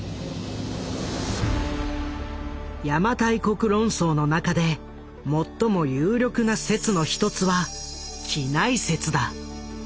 邪馬台国論争の中で最も有力な説の一つは畿内説だ。